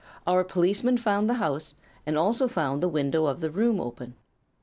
Our policeman found the house, and also found the window of the room open.